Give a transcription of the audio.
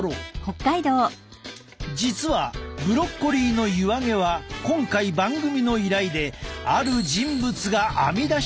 実はブロッコリーのＹＵＡＧＥは今回番組の依頼である人物が編み出してくれたワザなのだ。